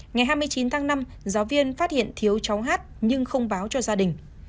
ngày hai mươi chín tháng năm giáo viên phát hiện thiếu cháu hát nhưng không báo cho gia đình